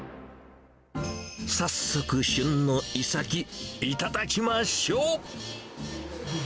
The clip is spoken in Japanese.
早速旬のイサキ、いただきましょう。